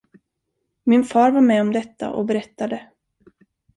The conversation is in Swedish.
Min far var med om detta och berättade.